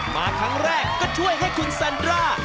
มาครั้งแรกก็ช่วยให้คุณแซนร่า